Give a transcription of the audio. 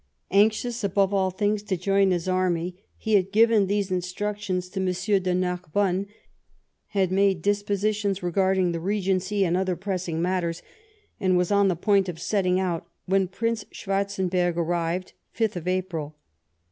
Anxious above all things to join his army, he had given these instructions to M. de Narbonne, had made dis positions regarding the regency and other pressing matters, and was on the point of setting out, when Prince Schwarzenberg arrived (5th April).